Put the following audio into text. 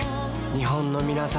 日本のみなさん